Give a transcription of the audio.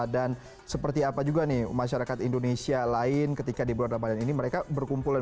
dan seperti apa juga nih masyarakat indonesia lain ketika di bulan ramadan ini mereka berkumpulan